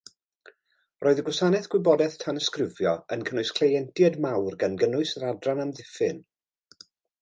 Roedd y gwasanaeth gwybodaeth tanysgrifio yn cynnwys cleientiaid mawr gan gynnwys yr Adran Amddiffyn.